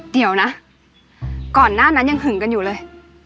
เดี๋ยวนะก่อนหน้านั้นยังหึงกันอยู่เลย